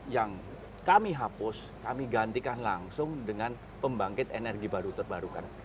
yang kami hapus kami gantikan langsung dengan pembangkit energi baru terbarukan